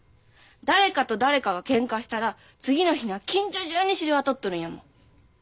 誰かと誰かがけんかしたら次の日には近所中に知れ渡っとるんやもん。